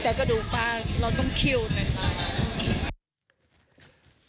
แต่กระดูกปลาเราต้องคิวนะคะ